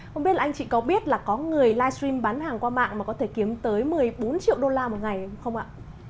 không biết là anh chị có biết là có người livestream bán hàng qua mạng mà có thể kiếm tới một mươi bốn triệu đô la một ngày không ạ